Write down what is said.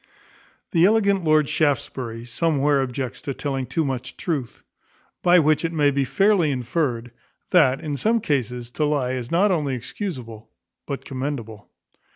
The elegant Lord Shaftesbury somewhere objects to telling too much truth: by which it may be fairly inferred, that, in some cases, to lie is not only excusable but commendable.